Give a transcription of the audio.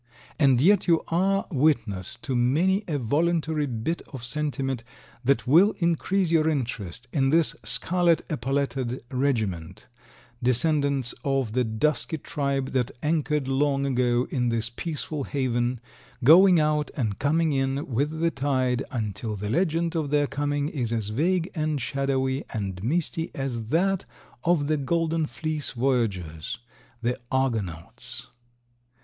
And yet you are witness to many a voluntary bit of sentiment that will increase your interest in this scarlet epauletted regiment, descendants of the dusky tribe that anchored long ago in this peaceful haven, going out and coming in with the tide until the legend of their coming is as vague and shadowy and misty as that of the golden fleece voyageurs—the Argonauts.